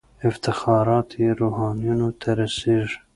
افتخارات یې روحانیونو ته ورسیږي.